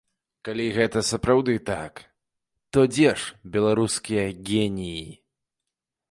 Калі гэта сапраўды так, то дзе ж беларускія геніі?